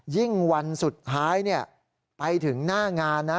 วันสุดท้ายไปถึงหน้างานนะ